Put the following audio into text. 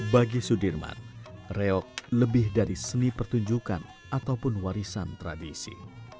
bagi sudirman reok lebih dari seni pertunjukan ataupun warisan tradisi